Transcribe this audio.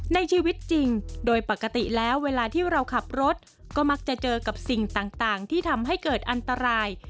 ในชีวิตจริงโดยปกติแล้วเวลาที่เราขับรถก็มักจะเจอกับสิ่งต่างที่ทำให้เกิดอันตราย